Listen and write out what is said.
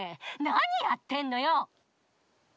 何やってんのよ！